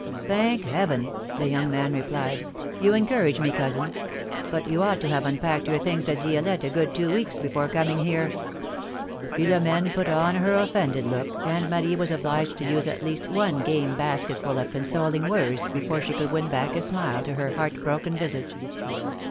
^^ Thank heaven!'^ the young man replied, ^^you en courage me, cousin ! But you ought to have unpacked your things at Di^lette a good two weeks before coining here !'' Philom^ne put on her offended look, and Marie M''as obliged to use at least one game basketful of consoling words before she could win back a smile to her heartbroken visage.